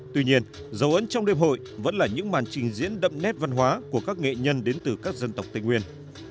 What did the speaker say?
tuy nhiên dấu ấn trong đêm hội vẫn là những màn trình diễn đậm nét văn hóa của các nghệ nhân đến từ các dân tộc tây nguyên